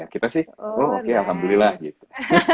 kita sih oh oke alhamdulillah gitu